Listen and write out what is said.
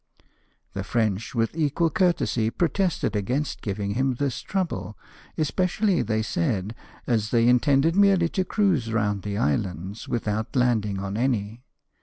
The French, with equal courtesy, protested against giving him this trouble ; especially, they said, as they intended merely to cruise roijnd the islands without landing on any.